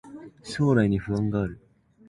将来に不安がある